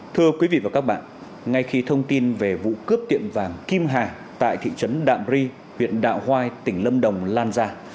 thưa quý vị và các bạn ngay khi thông tin về vụ cướp tiệm vàng kim hà tại thị trấn đạm ri huyện đạo hoai tỉnh lâm đồng lan ra